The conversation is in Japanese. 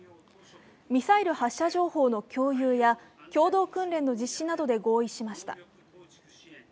ミサイル発射情報の共有や共同訓練の実施などで合意しました。